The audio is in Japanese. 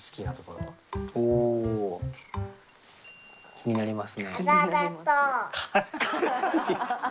気になります。